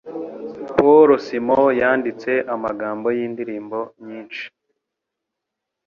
Paul Simon yanditse amagambo yindirimbo nyinshi